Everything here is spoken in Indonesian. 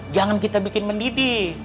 jangan kita bikin mendidih